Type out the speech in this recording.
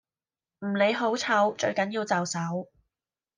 唔理好醜最緊要就手